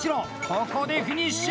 ここでフィニッシュ！